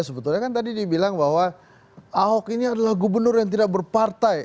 sebetulnya kan tadi dibilang bahwa ahok ini adalah gubernur yang tidak berpartai